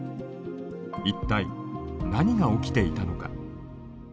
一体何が起きていたのか。